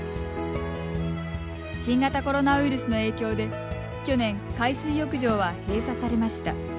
新型コロナウイルスの影響で去年、海水浴場は閉鎖されました。